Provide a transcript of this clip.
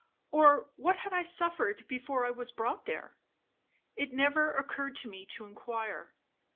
or what I had suffered before I was brought there? it never occurred to me to inquire.